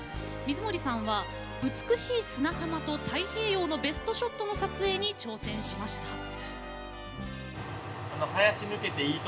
水森さんは、美しい砂浜と太平洋のベストショットの撮影に挑戦しました。